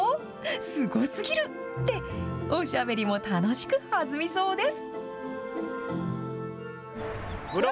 すごすぎるって、おしゃべりも楽しくはずみそうです。